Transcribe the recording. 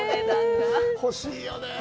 欲しいよね。